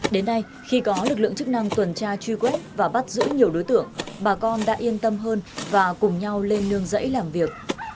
đến nay khi có lực lượng chức năng tuần tra truy quét và bắt giữ nhiều đối tượng bà con đã yên tâm hơn và cùng nhau lên nương dãy làm việc